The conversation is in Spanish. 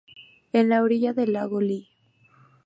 En la orilla del Lago Li.